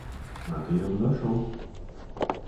А то я бы зашел.